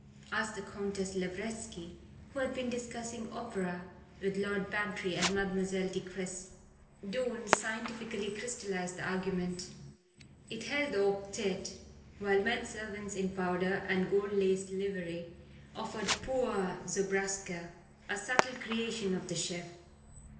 asked the Countess Lavretsky, who had been discussing opera with Lord Bantry and Mademoiselle de Cressy. Doon scientifically crystallized the argument. It held the octette, while men servants in powder and gold laced livery offered poires Zobraska, a subtle creation of the chef.